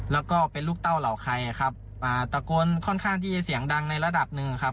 แล้วก็เป็นลูกเต้าเหล่าใครครับอ่าตะโกนค่อนข้างที่จะเสียงดังในระดับหนึ่งครับ